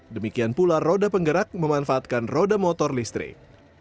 demikian pula roda penggerak memanfaatkan roda motor listrik